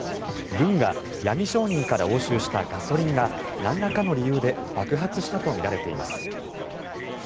軍が闇商人から押収したガソリンがなんらかの理由で爆発したとみられています。